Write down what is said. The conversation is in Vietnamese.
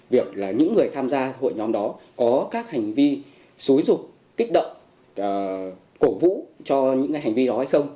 việc là những người tham gia hội nhóm đó có các hành vi xúi rục kích động cổ vũ cho những hành vi đó hay không